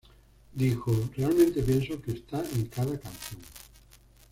Dijo: "Realmente pienso que está en cada canción.